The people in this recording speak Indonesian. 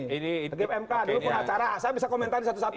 hakim mk dulu pun acara saya bisa komentari satu satu